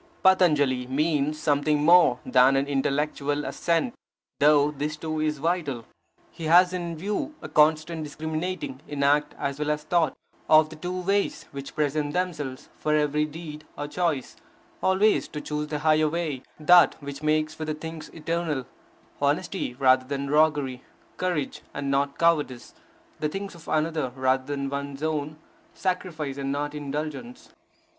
Patanjali means something more than an intellectual assent, though this too is vital. He has in view a constant discriminating in act as well as thought; of the two ways which present themselves for every deed or choice, always to choose the higher way, that which makes for the things eternal: honesty rather than roguery, courage and not cowardice, the things of another rather than one's own, sacrifice and not indulgence.